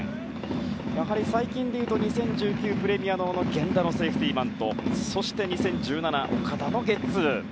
最近でいうと２０１９プレミアの源田のセーフティーバントそして２０１７年の岡田のゲッツー。